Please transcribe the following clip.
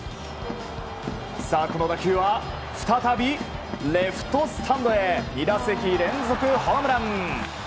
この打球はレフトスタンドへ２打席連続ホームラン。